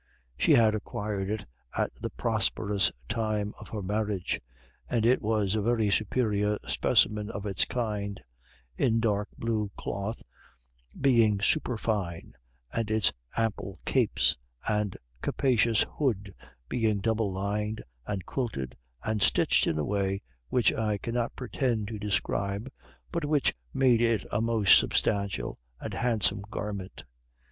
She had acquired it at the prosperous time of her marriage, and it was a very superior specimen of its kind, in dark blue cloth being superfine, and its ample capes and capacious hood being double lined and quilted and stitched in a way which I cannot pretend to describe, but which made it a most substantial and handsome garment.